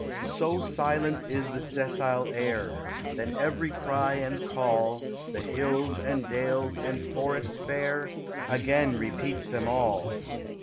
So silent is the cessile air, That every cry and call The hills and dales and forest fair Again repeats them all.